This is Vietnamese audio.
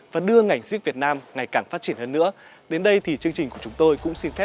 và hẹn gặp lại